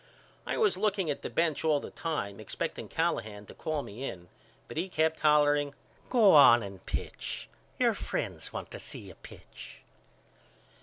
I was looking at the bench all the time expecting Callahan to call me in but he kept hollering Go on and pitch. Your friends wants to see you pitch.